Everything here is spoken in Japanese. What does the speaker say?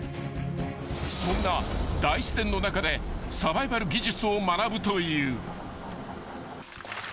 ［そんな大自然の中でサバイバル技術を学ぶという］